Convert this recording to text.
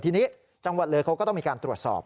ทีนี้จังหวัดเลยเขาก็ต้องมีการตรวจสอบ